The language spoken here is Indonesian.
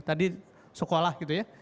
tadi sekolah gitu ya